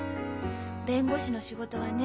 弁護士の仕事はね